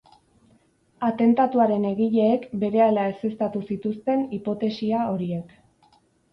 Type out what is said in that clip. Atentatuaren egileek berehala ezeztatu zituzten hipotesia horiek.